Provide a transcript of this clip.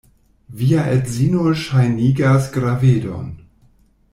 Via edzino ŝajnigas gravedon.